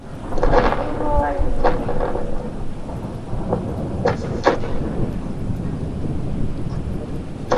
ایټور وویل چې، هغه بې غیرته بم غورځوونکي ته مې کتل.